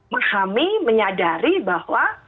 menghami menyadari bahwa